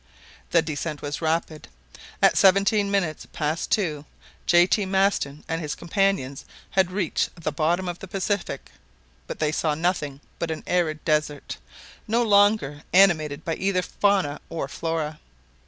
The descent was rapid. At seventeen minutes past two, J. T. Maston and his companions had reached the bottom of the Pacific; but they saw nothing but an arid desert, no longer animated by either fauna or flora.